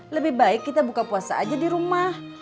lebih baik kita buka puasa aja di rumah